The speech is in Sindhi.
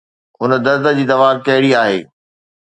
هن درد جي دوا ڪهڙي آهي؟